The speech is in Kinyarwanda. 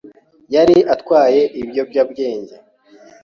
Yari atwaye ibiyobyabwenge.